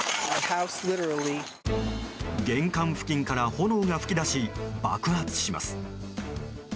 玄関付近から炎が噴き出し爆発します。